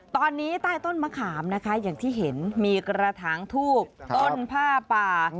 ตอนนี้ใต้ต้นมะขามนะคะอย่างที่เห็นมีกระถางทูบต้นผ้าป่า